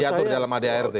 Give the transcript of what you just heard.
itu diatur dalam adrt